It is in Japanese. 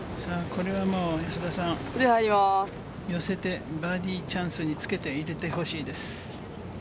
これは安田さん、寄せて、バーディーチャンスにつけて入れてほしいです。